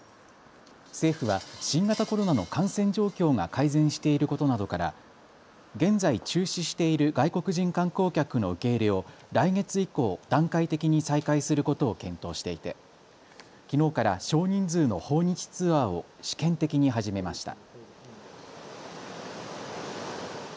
政府は新型コロナの感染状況が改善していることなどから現在、中止している外国人観光客の受け入れを来月以降、段階的に再開することを検討していてきのうから少人数の訪日ツアーを試験的に始めました。